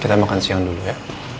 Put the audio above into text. kita makan siang dulu ya